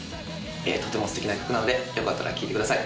とても素敵な曲なのでよかったら聴いてください